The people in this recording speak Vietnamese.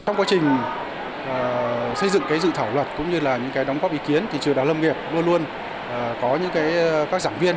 trong quá trình xây dựng dự thảo luật cũng như đóng góp ý kiến thì trường đoàn lâm nghiệp luôn luôn có những giảng viên